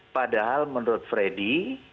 padahal menurut freddy